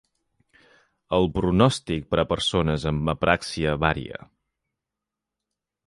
El pronòstic per a persones amb apràxia varia.